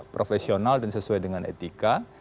profesional dan sesuai dengan etika